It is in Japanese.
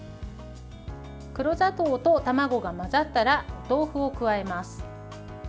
黒砂糖と卵が混ざったらお豆腐を加えます。